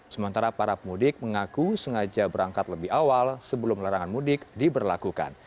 sementara para pemudik mengaku sengaja berangkat lebih awal sebelum larangan mudik diberlakukan